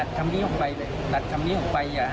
อย่าไปคิดมาก